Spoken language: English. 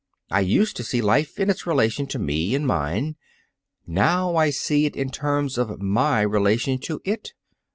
I used to see life in its relation to me and mine. Now I see it in terms of my relation to it.